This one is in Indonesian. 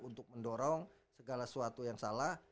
untuk mendorong segala sesuatu yang salah